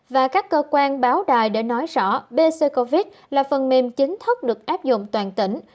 và các cơ quan báo đài để nói rõ bc covid là phần mềm chính thức được áp dụng toàn tỉnh